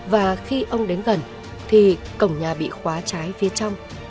và khi ông đến gần thì cổng nhà bị khóa trái phía trong